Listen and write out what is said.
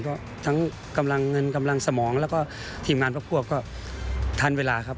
เพราะทั้งกำลังเงินกำลังสมองแล้วก็ทีมงานพวกก็ทันเวลาครับ